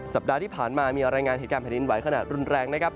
สัปดาห์ที่ผ่านมามีรายงานเหตุการณ์แผ่นดินไหวขนาดรุนแรงนะครับ